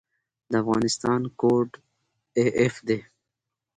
د افغانستان انټرنیټ کوډ af دی